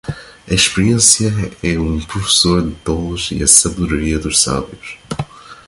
A experiência é um professor de tolos e a sabedoria dos sábios.